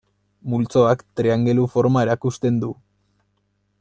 Multzoak triangelu forma erakusten du.